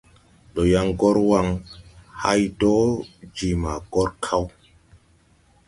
Ndɔ yaŋ gɔr Waŋ hay dɔɔ je maa gɔr kaw.